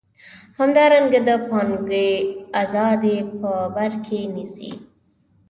همدارنګه د پانګې ازادي په بر کې نیسي.